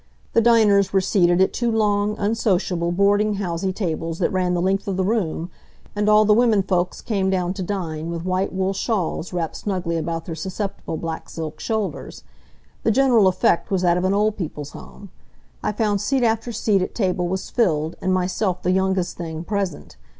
The diners were seated at two long, unsociable, boarding housey tables that ran the length of the room, and all the women folks came down to dine with white wool shawls wrapped snugly about their susceptible black silk shoulders. The general effect was that of an Old People's Home. I found seat after seat at table was filled, and myself the youngest thing present.